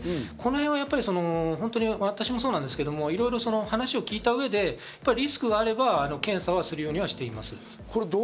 このへんは私もそうですけど、いろいろ話を聞いた上でリスクがあれば検査はするようにはしています。